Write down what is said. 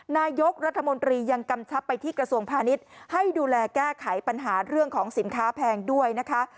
นายกรัฐมนตรียังกำชับไปที่กระทรวงพาณิชย์ให้ดูแลแก้ไขปัญหาเรื่องของสินค้าแพงด้วยนะคะ